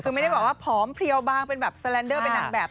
คือไม่ได้แบบว่าผอมเพลียวบางเป็นแบบสแลนเดอร์เป็นนางแบบ